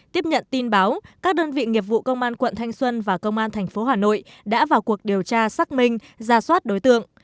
tiếp nhận tin báo các đơn vị nghiệp vụ công an quận thanh xuân và công an tp hà nội đã vào cuộc điều tra xác minh ra soát đối tượng